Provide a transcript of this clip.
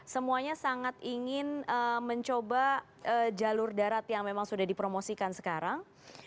semuanya sangat ingin mencoba jalur darat yang memang sudah dipromosikan sekarang